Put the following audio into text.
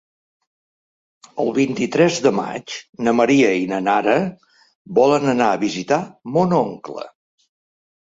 El vint-i-tres de maig na Maria i na Nara volen anar a visitar mon oncle.